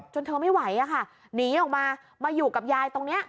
เธอไม่ไหวอะค่ะหนีออกมามาอยู่กับยายตรงนี้